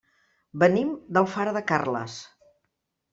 Venim d'Alfara de Carles.